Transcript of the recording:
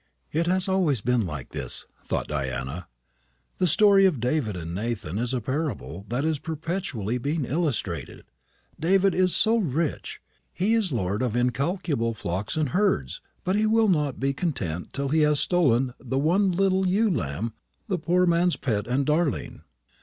"It has always been like this," thought Diana. "The story of David and Nathan is a parable that is perpetually being illustrated. David is so rich he is lord of incalculable flocks and herds; but he will not be content till he has stolen the one little ewe lamb, the poor man's pet and darling."